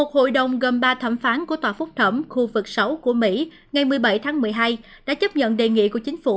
hôm ba thẩm phán của tòa phúc thẩm khu vực sáu của mỹ ngày một mươi bảy tháng một mươi hai đã chấp nhận đề nghị của chính phủ